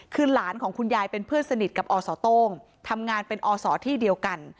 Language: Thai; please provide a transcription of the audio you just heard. คือหลานของคุณยายเป็นเพื่อนสนิทกับอสโต้งทำงานเป็นอศที่เดียวกัน